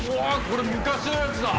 これ昔のやつだ。